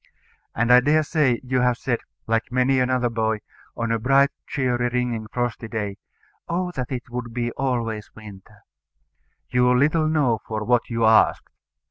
And I dare say you have said, like many another boy, on a bright cheery ringing frosty day, "Oh, that it would be always winter!" You little knew for what you asked.